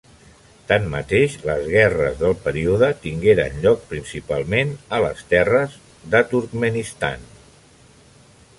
Tanmateix, les guerres del període tingueren lloc principalment a les terres de Turkmenistan.